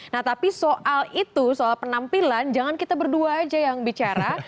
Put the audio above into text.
nah tapi soal itu soal penampilan jangan kita berdua aja yang bicara